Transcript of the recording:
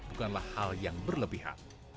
bukanlah hal yang berlebihan